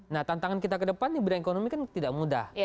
nah tantangan kita ke depan di bidang ekonomi kan tidak mudah